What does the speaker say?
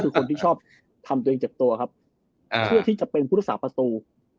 คือคนที่ชอบทำตัวเองเจ็บตัวครับเพื่อที่จะเป็นผู้รักษาประตู